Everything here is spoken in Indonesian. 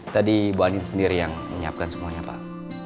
tadi bu andien sendiri yang menyiapkan semuanya pak